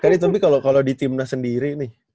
kayaknya tapi kalo di timnas sendiri nih